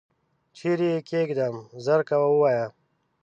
چیري یې کښېږدم ؟ ژر کوه ووایه !